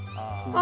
あ